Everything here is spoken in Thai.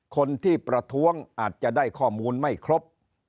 คนที่ประท้วงอาจจะได้ข้อมูลไม่ครบ